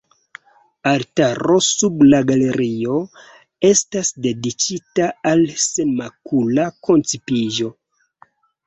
Altaro sub la galerio estas dediĉita al Senmakula Koncipiĝo.